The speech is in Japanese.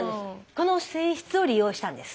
この性質を利用したんです。